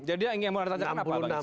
jadi yang ingin saya tanya kenapa pak